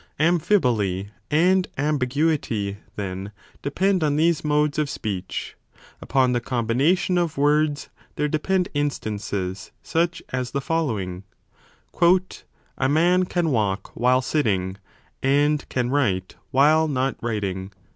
Amphiboly and ambiguity, then, depend on these modes of speech. Upon the combination of words there depend instances such as the following : A man can walk while sitting, and can write while not writing